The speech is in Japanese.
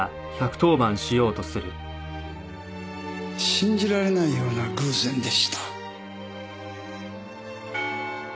信じられないような偶然でした。